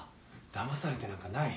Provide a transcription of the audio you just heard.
だまされてなんかない。